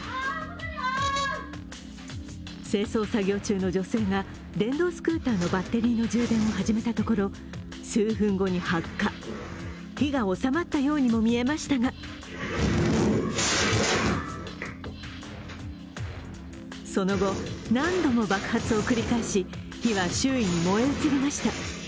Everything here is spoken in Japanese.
清掃作業中の女性が電動スクーターのバッテリーの充電を始めたところ数分後に発火、火が収まったようにも見えましたがその後、何度も爆発を繰り返し、火は周囲に燃え移りました。